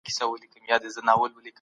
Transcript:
هر څوک باید د نورو احترام وکړي.